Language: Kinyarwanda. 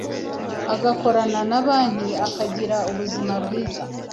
agakorana na banki akagira ubuzima bwiza